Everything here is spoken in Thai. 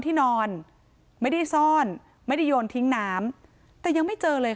ที่นอนไม่ได้ซ่อนไม่ได้โยนทิ้งน้ำแต่ยังไม่เจอเลย